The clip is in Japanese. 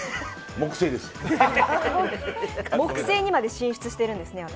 木星にまで進出してるんですね、私。